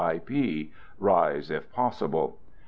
I. P. — rise if possible.